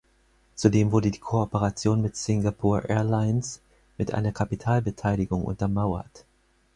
Zudem wurde die Kooperation mit Singapore Airlines mit einer Kapitalbeteiligung untermauert.